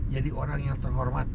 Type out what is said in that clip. jadi orang yang terhormat